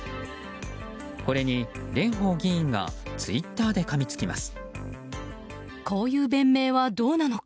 これに蓮舫議員がツイッターでかみつきます。